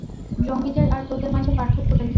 জঙ্গীদের আর তোমাদের মাঝে পার্থক্যটা কী?